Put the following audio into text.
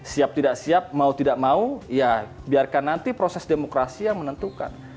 siap tidak siap mau tidak mau ya biarkan nanti proses demokrasi yang menentukan